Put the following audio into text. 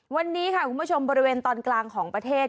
วันนี้ค่ะคุณผู้ชมบริเวณตอนกลางของประเทศ